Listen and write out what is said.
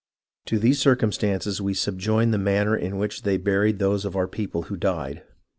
... "To these circumstances we subjoin the manner in which they buried those of our people who died.